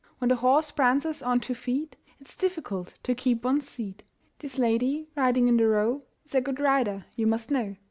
When the horse prances on two feet It's difficult to keep one's seat. This lady riding in the Row Is a good rider, you must know.